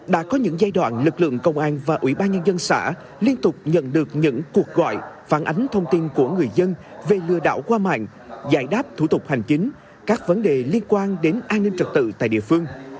đã có những giai đoạn lực lượng công an và ủy ban nhân dân xã liên tục nhận được những cuộc gọi phản ánh thông tin của người dân về lừa đảo qua mạng giải đáp thủ tục hành chính các vấn đề liên quan đến an ninh trật tự tại địa phương